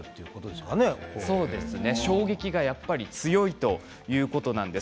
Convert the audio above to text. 衝撃がやっぱり強いということなんです。